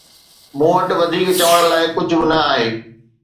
مون وٽ وڌيڪ چوڻ لاءِ ڪجهه به ناهي